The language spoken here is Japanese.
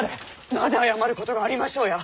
なぜ謝ることがありましょうや！